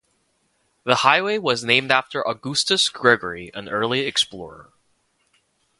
The highway was named after Augustus Gregory, an early explorer.